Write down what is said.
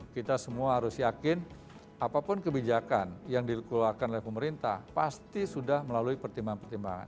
kita semua harus yakin apapun kebijakan yang dikeluarkan oleh pemerintah pasti sudah melalui pertimbangan pertimbangan